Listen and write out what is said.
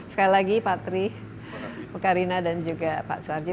sekali lagi pak tri pak rina dan juga pak suharji